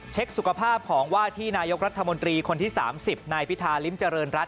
สุขภาพของว่าที่นายกรัฐมนตรีคนที่๓๐นายพิธาริมเจริญรัฐ